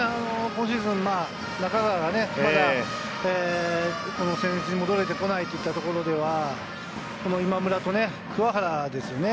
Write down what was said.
今シーズン、中川がまだ戦列に戻れてこないといったところでは、今村と鍬原ですよね。